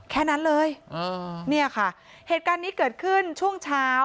แค่นั้นเลยอ่าเนี่ยค่ะเหตุการณ์นี้เกิดขึ้นช่วงเช้า